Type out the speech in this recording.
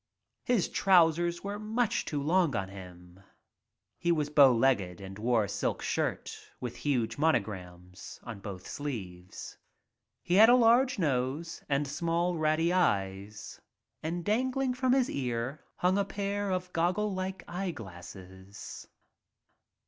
His trousers were much too long for him. He was bow legged and wore a silk shirt with huge monograms on both sleeves. He had a large nose and small ratty eyes and dangling from his ear hung a pair of goggle like eyeglasses.